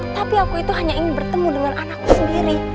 tapi aku itu hanya ingin bertemu dengan anakku sendiri